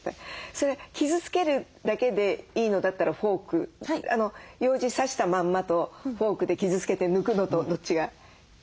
それ傷つけるだけでいいのだったらフォークようじ刺したまんまとフォークで傷つけて抜くのとどっちが？